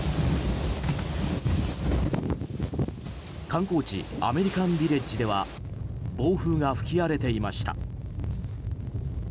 観光地アメリカンビレッジでは暴風が吹き荒れていました。